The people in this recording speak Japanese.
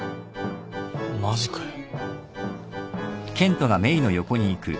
マジかよ。